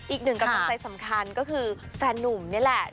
อีกหนึ่งกำลังใจสำคัญก็คือแฟนนุ่มนี่แหละ